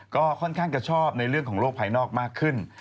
ก็ค่อนข้างจะชอบในเรื่องของโลกภายนอกมากขึ้น